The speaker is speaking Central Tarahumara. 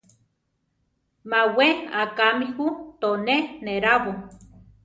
Má we akámi ju, to ne nerábo.